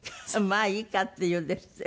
「まあいいか」っていうんですって？